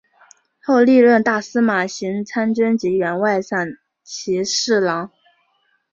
后历任大司马行参军及员外散骑侍郎。